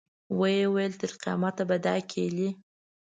ویې فرمایل تر قیامته به دا کیلي.